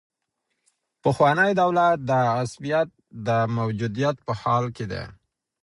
پخوانی دولت د عصبيت د موجودیت په حال کي دی.